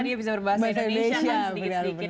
dia bisa berbahasa indonesia sedikit sedikit